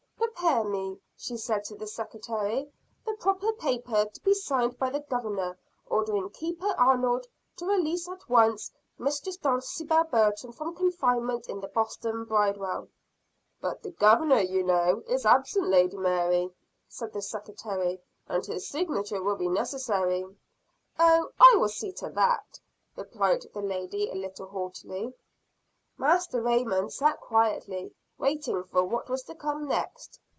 "Prepare me," she said to the Secretary, "the proper paper, to be signed by the Governor, ordering Keeper Arnold to release at once Mistress Dulcibel Burton from confinement in the Boston Bridewell." "But the Governor, you know, is absent, Lady Mary," said the Secretary, "and his signature will be necessary." "Oh, I will see to that," replied the lady a little haughtily. Master Raymond sat quietly waiting for what was to come next.